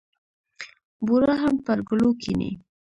بورا هم پر ګلو کېني.